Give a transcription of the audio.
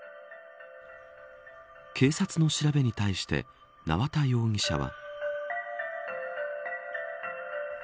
警察の調べに対して縄田容疑者は。